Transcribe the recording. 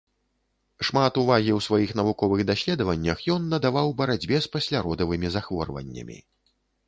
Шмат увагі ў сваіх навуковых даследаваннях ён надаваў барацьбе з пасляродавымі захворваннямі.